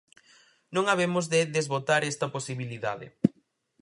Non habemos de desbotar esta posibilidade.